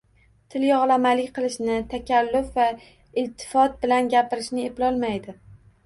Tilyog‘lamalik qilishni, takalluf va iltifot bilan gapirishni eplolmaydi.